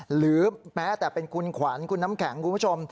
หรือแม้แต่เป็นคุณขวัญคุณน้ำแข็งคุณผู้ชม